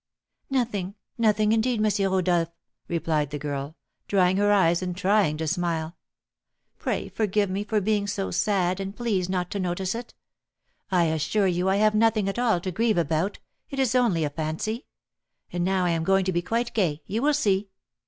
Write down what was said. "Nothing, nothing indeed, M. Rodolph," replied the girl, drying her eyes and trying to smile. "Pray forgive me for being so sad, and please not to notice it. I assure you I have nothing at all to grieve about, it is only a fancy; and now I am going to be quite gay, you will see."